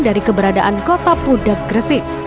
dari keberadaan kota pudak gresik